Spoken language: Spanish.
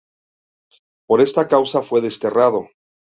Por esta causa fue desterrado.